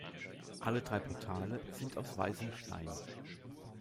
Alle drei Portale sind aus weißem Stein.